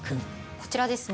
こちらですね。